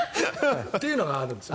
というのがあるんです。